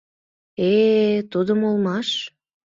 Э-э, тудым улмаш...